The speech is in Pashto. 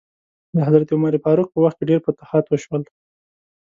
د حضرت عمر فاروق په وخت کې ډیر فتوحات وشول.